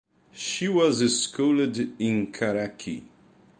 She was schooled in Karachi.